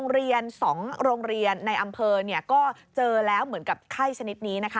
๒โรงเรียนในอำเภอก็เจอแล้วเหมือนกับไข้ชนิดนี้